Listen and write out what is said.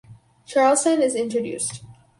Charleston is introduced.